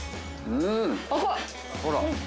うん。